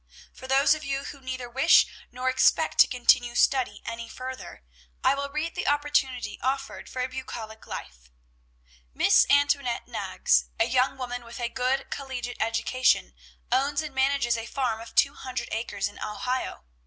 For those of you who neither wish nor expect to continue study any further, I will read the opportunity offered for a bucolic life: "'Miss Antoinette Knaggs, a young woman with a good collegiate education, owns and manages a farm of two hundred acres in Ohio.